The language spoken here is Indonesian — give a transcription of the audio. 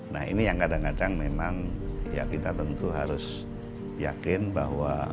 nah ini yang kadang kadang memang ya kita tentu harus yakin bahwa